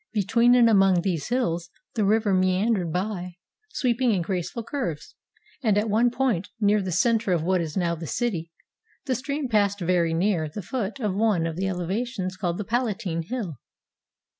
Between and among these hills the river meandered by 254 HOW ROME WAS FOUNDED sweeping and graceful curves, and at one point, near the center of what is now the city, the stream passed very near the foot of one of the elevations called the Palatine Hill.